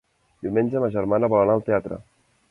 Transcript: Diumenge ma germana vol anar al teatre.